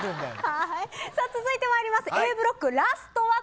続いてまいります。